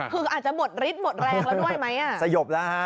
คืออาจจะหมดฤทธิ์หมดแรงละด้วยไหม